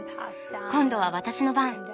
今度は私の番。